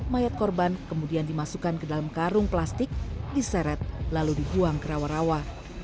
mayat korban kemudian dimasukkan ke dalam karung plastik diseret lalu dibuang ke rawa rawa